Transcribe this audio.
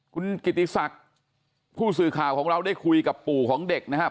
คุณกิติศักดิ์ผู้สื่อข่าวของเราได้คุยกับปู่ของเด็กนะครับ